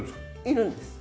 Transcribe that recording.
いるんです。